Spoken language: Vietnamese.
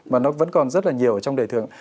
mà nó vẫn còn rất là nhiều trong đời thường